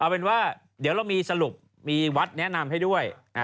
เอาเป็นว่าเดี๋ยวเรามีสรุปมีวัดแนะนำให้ด้วย